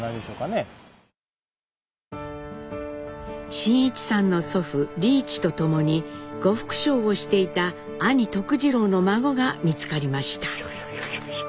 真一さんの祖父利一と共に呉服商をしていた兄徳治郎の孫が見つかりました。